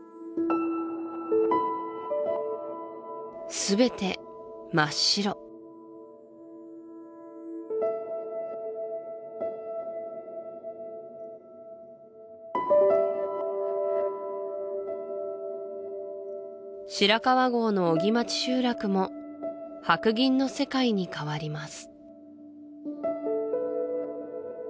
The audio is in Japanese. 全て真っ白白川郷の荻町集落も白銀の世界に変わります